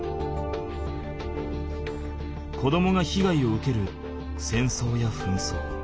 子どもがひがいを受ける戦争や紛争。